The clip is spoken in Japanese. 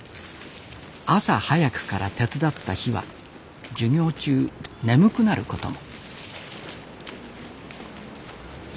朝早くから手伝った日は授業中眠くなることも。